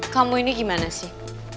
kamu ini gimana sih